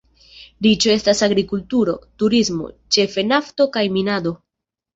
Riĉo estas agrikulturo, turismo, ĉefe nafto kaj minado.